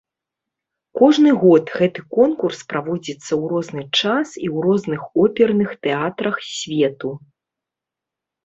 Кожны год гэты конкурс праводзіцца ў розны час і ў розных оперных тэатрах свету.